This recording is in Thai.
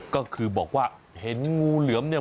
ก็คือบอกว่าเห็นงูเหลือมเนี่ย